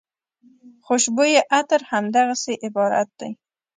خوشبویه عطر همدغسې عبارت دی.